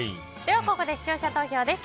ここで視聴者投票です。